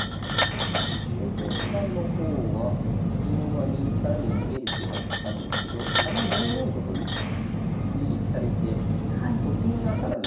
近藤七段の方は金は２三に逃げる手はあるんですけどあまり４四とと追撃されてと金が更に。